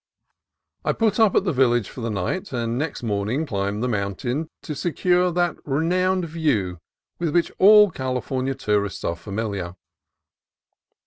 I put up at the village for the night, and next morning climbed the mountain to secure that re nowned view with which all California tourists are familiar.